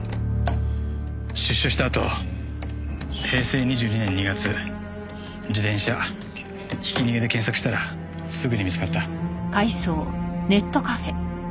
出所したあと「平成２２年２月自転車ひき逃げ」で検索したらすぐに見つかった。